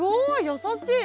優しい！